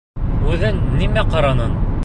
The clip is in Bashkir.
Үҙең нимә ҡараның?